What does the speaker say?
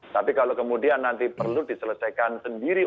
tapi kalau kemudian nanti perlu diselesaikan sendiri